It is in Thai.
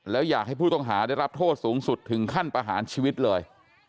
แล้วอยากให้ผู้ต้องหาได้รับโทษสูงสุดถึงขั้นประหารชีวิตเลย